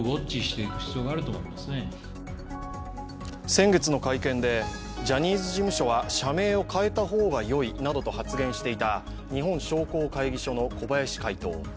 先月の会見で、ジャニーズ事務所は社名を変えた方が良いなどと発言していた日本商工会議所の小林会頭。